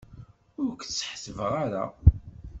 Ur k-tt-ḥettbeɣ ara.